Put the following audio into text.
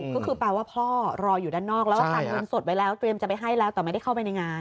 ก็คือแปลว่าพ่อรออยู่ด้านนอกแล้วก็สั่งเงินสดไว้แล้วเตรียมจะไปให้แล้วแต่ไม่ได้เข้าไปในงาน